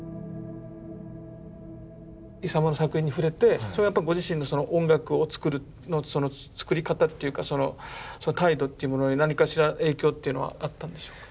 イサムの作品に触れてご自身の音楽を作る作り方っていうかその態度というものに何かしら影響っていうのはあったんでしょうか？